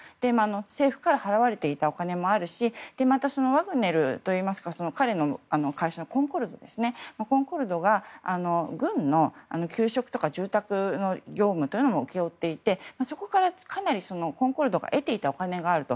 政府から払われていたお金もあるしまた、ワグネルといいますか彼の会社、コンコルドですねコンコルドが軍の求職とか住宅業務というのも請け負っていてそこからかなりコンコルドが得ていたお金があると。